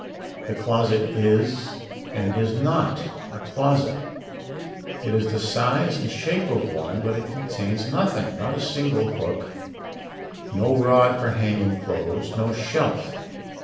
The closet is and is not a closet; it is the size and shape of one, but it contains nothing, not a single hook, no rod for hanging clothes, no shelf.